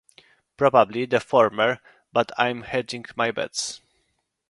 Probably the former, but I'm hedging my bets.